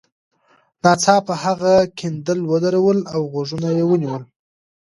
ناڅاپه هغه کیندل ودرول او غوږونه یې ونیول